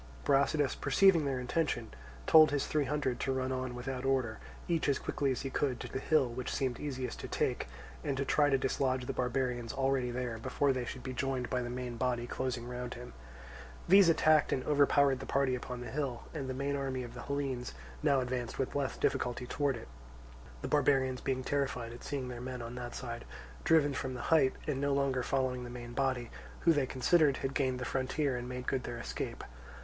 Brasidas, perceiving their intention, told his three hundred to run on without order, each as quickly as he could, to the hill which seemed easiest to take, and to try to dislodge the barbarians already there, before they should be joined by the main body closing round him. These attacked and overpowered the party upon the hill, and the main army of the Hellenes now advanced with less difficulty towards it—the barbarians being terrified at seeing their men on that side driven from the height and no longer following the main body, who, they considered, had gained the frontier and made good their escape.